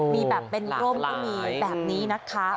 มีแบบเป็นร่มก็มีแบบนี้นะคะ